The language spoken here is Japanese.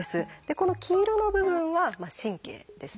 この黄色の部分は「神経」ですね。